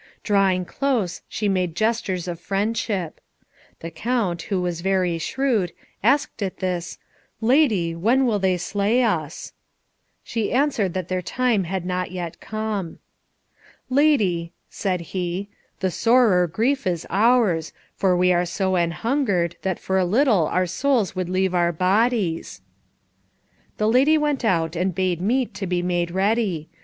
Drawing close she made gestures of friendship. The Count, who was very shrewd, asked at this, "Lady, when will they slay us?" She answered that their time had not yet come. "Lady," said he, "the sorer grief is ours, for we are so anhungered, that for a little our souls would leave our bodies." The lady went out, and bade meat to be made ready.